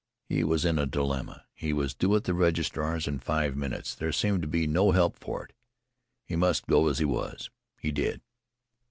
He was in a dilemma. He was due at the registrar's in five minutes. There seemed to be no help for it he must go as he was. He did.